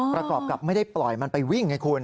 ประกอบกับไม่ได้ปล่อยมันไปวิ่งไงคุณ